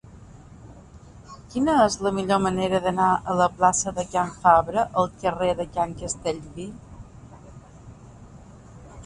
Quina és la millor manera d'anar de la plaça de Can Fabra al carrer de Can Castellví?